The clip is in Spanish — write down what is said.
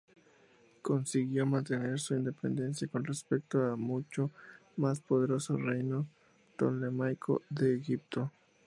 Consiguió mantener su independencia con respecto al mucho más poderoso reino ptolemaico de Egipto.